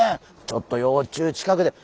ちょっと幼虫近くで。